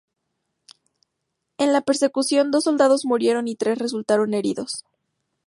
En la persecución dos soldados murieron y tres resultaron heridos.